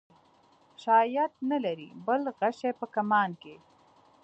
شاید نه لرې بل غشی په کمان کې.